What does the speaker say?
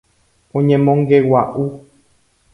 Oñemongegua'u.